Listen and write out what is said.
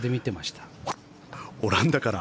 オランダから？